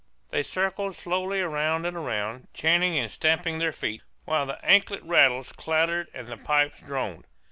They circled slowly round and round, chanting and stamping their feet, while the anklet rattles clattered and the pipes droned.